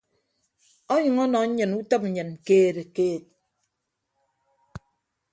Onyʌñ ọnọ nnyịn utịp nnyịn keed keed.